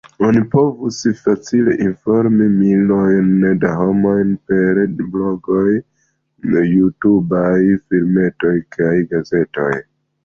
Oni povus facile informi milojn da homoj per blogoj, jutubaj filmetoj kaj gazetoj.